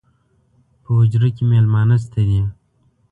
پۀ حجره کې میلمانۀ شته دي